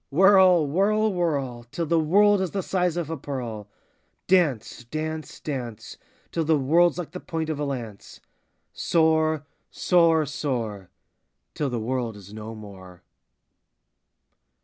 Whirl, whirl, whirl, Till the world is the size of a pearl. Dance, dance, dance, Till the world 's like the point of a lance. Soar, soar, soar, Till the world is no more.